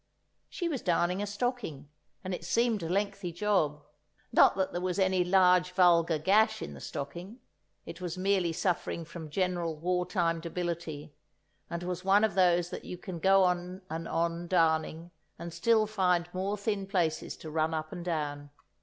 She was darning a stocking, and it seemed a lengthy job. Not that there was any large, vulgar gash in the stocking; it was merely suffering from general war time debility, and was one of those that you can go on and on darning, and still find more thin places to run up and down.